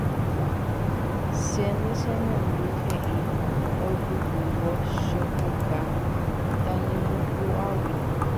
Chénte che memby he'i oipyhývo chochóka tanimbukuágui